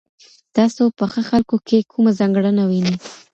تاسو په ښه خلکو کي کومه ځانګړنه وینئ؟